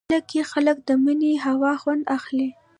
تله کې خلک د مني هوا خوند اخلي.